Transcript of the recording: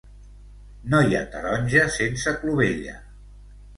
No hi ha taronja sense clovella.